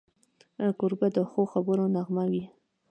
کوربه د ښو خبرو نغمه وي.